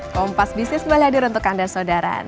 kompas bisnis boleh hadir untuk anda saudara